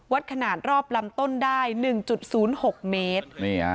ขนาดรอบลำต้นได้๑๐๖เมตร